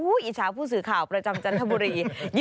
อิจฉาผู้สื่อข่าวประจำจันทบุรี